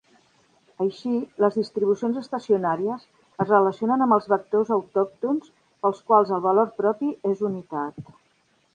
Així, les distribucions estacionàries es relacionen amb els vectors autòctons pels quals el valor propi és unitat.